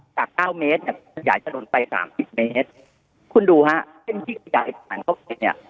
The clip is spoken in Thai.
จากเก้าเมตรเนี่ยขยายถนนไปสามสิบเมตรคุณดูฮะเพิ่งที่ขยายขนาดนี้เนี่ย